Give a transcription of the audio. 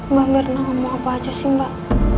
mbak mirna ngomong apa aja sih mbak